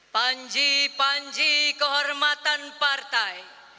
panji panji kehormatan partai